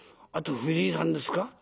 あんた藤井さんですか？」。